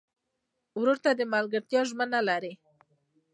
ورور ته د ملګرتیا ژمنه لرې.